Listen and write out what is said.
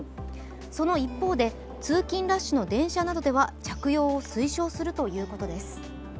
その一方で通勤ラッシュなどの電車などでは着用を推奨するということです。